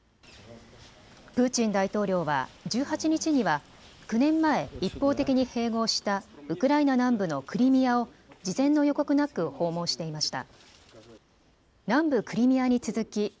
プーチン大統領は１８日には９年前、一方的に併合したウクライナ南部のクリミアを事前の予告なく訪問していました。